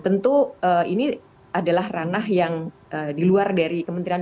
tentu ini adalah ranah yang di luar dari kementerian